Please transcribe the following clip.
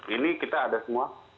ini kita ada semua